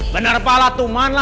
bener pak latuman lah